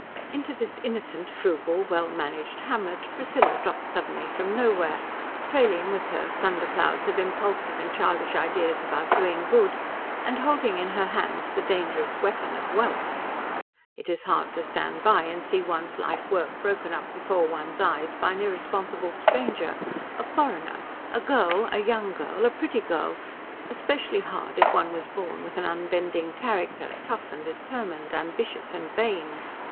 Into this innocent, frugal, well managed hamlet Priscilla dropped suddenly from nowhere, trailing with her thunder clouds of impulsive and childish ideas about doing good, and holding in her hands the dangerous weapon of wealth. It is hard to stand by and see one's life work broken up before one's eyes by an irresponsible stranger, a foreigner, a girl, a young girl, a pretty girl; especially hard if one was born with an unbending character, tough and determined, ambitious and vain.